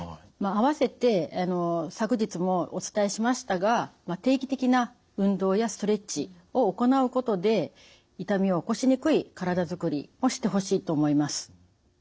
あわせて昨日もお伝えしましたが定期的な運動やストレッチを行うことで痛みを起こしにくい体づくりをしてほしいと思います。